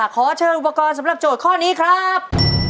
ขอเชิญอุปกรณ์สำหรับโจทย์ข้อนี้ครับ